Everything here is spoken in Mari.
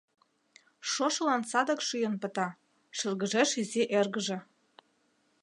— Шошылан садак шӱйын пыта, — шыргыжеш изи эргыже.